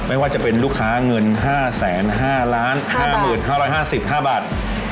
ไม่ว่าจะเป็นลูกค้าเงิน๕๕บาท